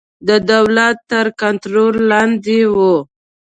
د دولت تر کنټرول لاندې وو.